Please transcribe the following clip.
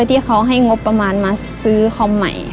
ที่เขาให้งบประมาณมาซื้อคอมใหม่